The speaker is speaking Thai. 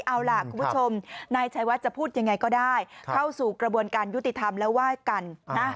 เอาล่ะคุณผู้ชมนายชัยวัดจะพูดยังไงก็ได้เข้าสู่กระบวนการยุติธรรมแล้วว่ายกันนะ